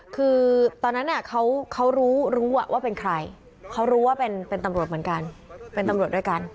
คือตอนนั้นเขารู้รู้ว่าเป็นใครเขารู้ว่าเป็นตำรวจเหมือนกันเป็นตำรวจด้วยกัน